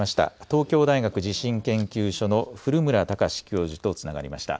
東京大学地震研究所の古村孝志教授とつながりました。